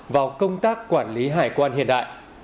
vào công tác quản lý hải quan hiện đại